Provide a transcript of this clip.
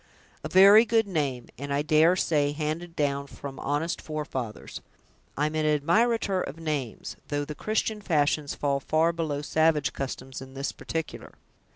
"A very good name, and, I dare say, handed down from honest forefathers. I'm an admirator of names, though the Christian fashions fall far below savage customs in this particular.